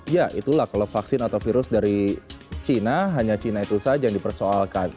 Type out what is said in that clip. ya itulah kalau vaksin atau virus dari china hanya china itu saja yang dipersoalkan